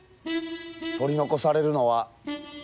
取り残されるのは。